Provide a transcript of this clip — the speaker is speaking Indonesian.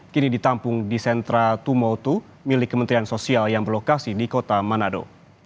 kini ditampung di sentra tumotu milik kementerian sosial yang berlokasi di kota manado